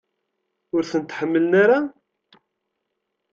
Ur tent-ḥemmlen ara?